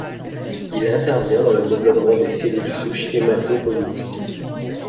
Il intervient dans le développement des cellules souches hématopoïétiques.